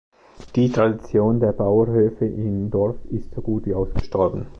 Die Tradition der Bauernhöfe im Dorf ist so gut wie ausgestorben.